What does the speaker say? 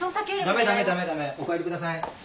はいお帰りください。